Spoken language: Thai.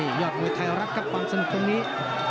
นี่ยาดมยุถี้รับกับความสุนข้องนี้